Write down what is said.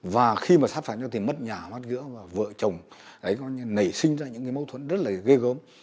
và khi mà sát phạt nhau thì mất nhà mất cửa vợ chồng đấy con nảy sinh ra những mâu thuẫn rất là ghê gớm